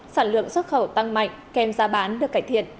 sản lượng xuất khẩu tăng mạnh kem ra bán được cải thiện